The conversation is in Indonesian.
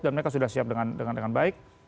dan mereka sudah siap dengan baik